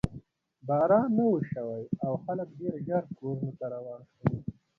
باران نه و شوی او خلک ډېر ژر کورونو ته روان شول.